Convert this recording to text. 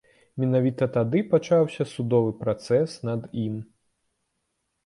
Менавіта тады пачаўся судовы працэс над ім.